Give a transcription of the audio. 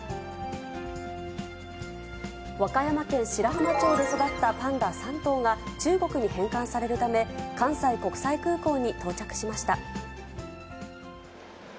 和歌山県白浜町で育ったパンダ３頭が、中国に返還されるため、関西国際空港に到着しました。